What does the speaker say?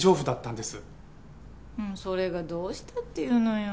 それがどうしたって言うのよ。